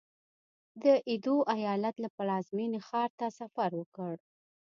د ایدو ایالت له پلازمېنې ښار ته سفر وکړ.